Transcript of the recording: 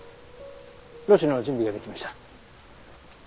濾紙の準備ができました。